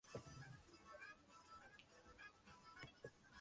There are a number of similar private institutions.